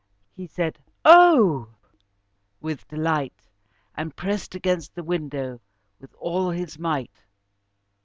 He said, "Oh!" with delight, and pressed against the window with all his might.